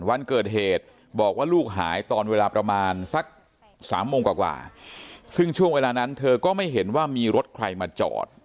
วันเกิดเหตุบอกว่าลูกหายตอนเวลาประมาณสัก๓โมงกว่าซึ่งช่วงเวลานั้นเธอก็ไม่เห็นว่ามีรถใครมาจอด